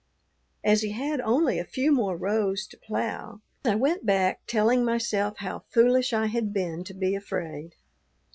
As he had only a few more rows to plough, I went back, telling myself how foolish I had been to be afraid.